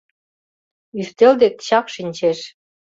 Ӱстел дек чак шинчеш.